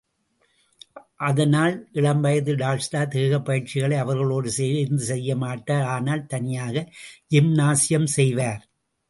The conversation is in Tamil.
அதனால், இளம் வயது டால்ஸ்டாய் தேகப் பயிற்சிகளை அவர்களோடு சேர்ந்து செய்யமாட்டார் ஆனால், தனியாக ஜிம்னாசியம் செய்வார்.